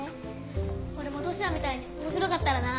おれもトシヤみたいにおもしろかったらな。